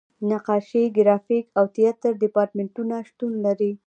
نقاشۍ، ګرافیک او تیاتر دیپارتمنټونه شتون لري.